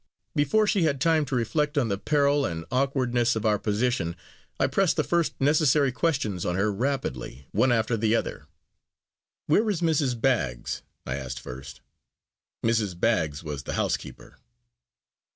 Before she had time to reflect on the peril and awkwardness of our position, I pressed the first necessary questions on her rapidly, one after the other. "Where is Mrs. Baggs?" I asked first. Mrs. Baggs was the housekeeper.